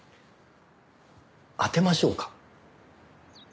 当てましょうか？